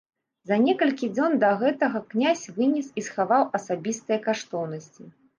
За некалькі дзён да гэтага князь вынес і схаваў асабістыя каштоўнасці.